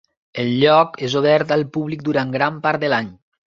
El lloc és obert al públic durant gran part de l'any.